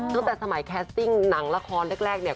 ตั้งแต่สมัยแคสติ้งหนังละครแรกเนี่ย